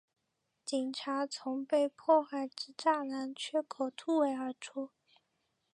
警察从被破坏之栅栏缺口突围而出